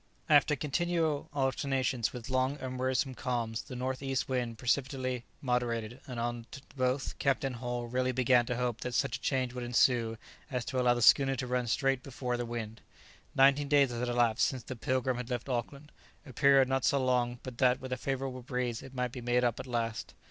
After continual alternations with long and wearisome calms the north east wind perceptibly moderated, and on the both, Captain Hull really began to hope that such a change would ensue as to allow the schooner to run straight before the wind. Nineteen days had elapsed since the "Pilgrim" had left Auckland, a period not so long but that with a favourable breeze it might be made up at last.